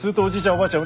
おばあちゃん